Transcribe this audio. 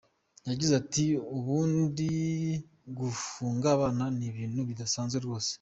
Yagize ati “Ubundi gufunga abana ni ibintu bidasanzwe rwose.